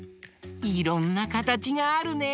いろんなかたちがあるね！